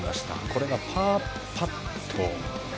これがパーパット。